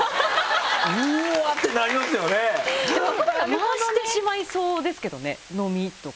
若林さん回してしまいそうですけどね飲みとか。